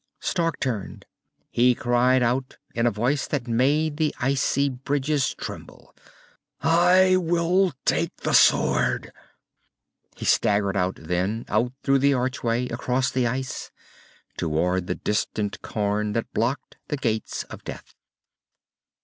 Stark turned. He cried out, in a voice that made the icy bridges tremble: "I will take the sword!" He staggered out, then. Out through the archway, across the ice, toward the distant cairn that blocked the Gates of Death.